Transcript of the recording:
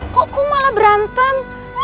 kok malah berantem